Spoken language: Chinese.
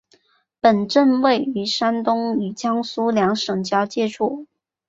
本镇位于山东与江苏两省交界处。